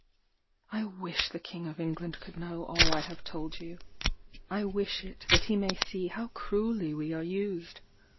I wish the King of England could know all I have told you. I wish it that he may see how cruelly we are used.